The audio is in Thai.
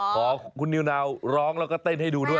ขอคุณนิวนาวร้องแล้วก็เต้นให้ดูด้วย